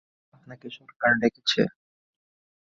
আপনাকে সরকার ডেকেছে?